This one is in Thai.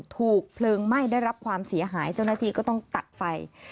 ถูกเพลิงไหม้ได้รับความเสียหายเจ้าหน้าที่ก็ต้องตัดไฟ